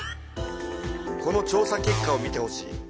この調さ結果を見てほしい。